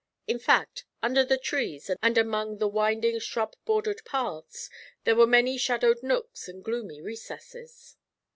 In fact, under the trees, and among the winding shrub bordered paths, there were many shadowed nooks and gloomy recesses.